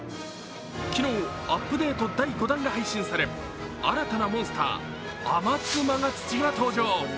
昨日、アップデート第５弾が配信され新たなモンスター、アマツマガツチが登場。